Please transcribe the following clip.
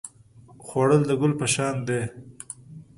خوړل د ګل پر شان دی